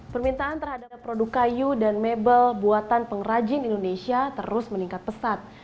permintaan terhadap produk kayu dan mebel buatan pengrajin indonesia terus meningkat pesat